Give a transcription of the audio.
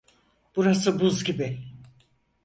Burası buz gibi.